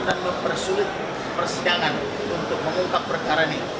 dan mempersulit persiangan untuk mengungkap perkara ini